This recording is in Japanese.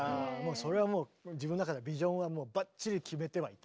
それはもう自分の中でビジョンはバッチリ決めてはいた。